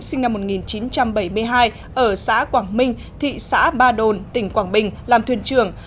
sinh năm một nghìn chín trăm bảy mươi hai ở xã quảng minh thị xã ba đồn tỉnh quảng bình làm thuyền trưởng